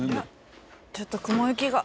ちょっと雲行きが。